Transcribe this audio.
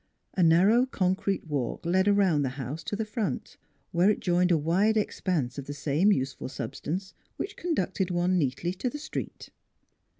A narrow concrete walk led around the house to the front, where it joined a wide expanse of the same useful substance which conducted one neatly to the street.